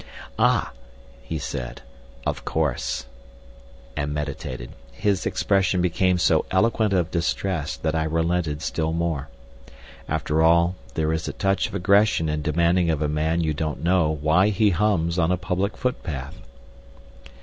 "Ah!" he said, "of course," and meditated. His expression became so eloquent of distress, that I relented still more. After all, there is a touch of aggression in demanding of a man you don't know why he hums on a public footpath.